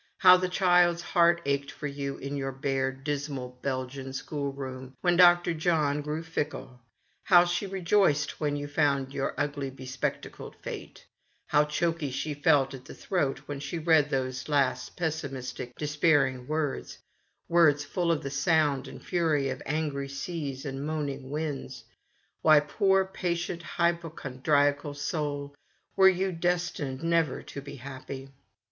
How the child's heart ached for you in your bare, dismal, Bel gian schoolroom, when Dr. John grew fickle ; how she rejoiced when you found your ugly, be spectacled Fate; how choky she felt at the throat when she read those last pessimis tic, despairing words — words full of the sound and fury of angry seas and moaning winds. Why, poor patient hypochondriacal soul, were you destined never to be happy